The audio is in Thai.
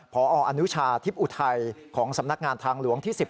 พออนุชาทิพย์อุทัยของสำนักงานทางหลวงที่๑๐